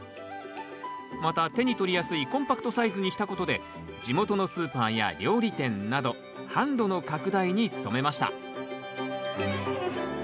また手に取りやすいコンパクトサイズにしたことで地元のスーパーや料理店など販路の拡大に努めました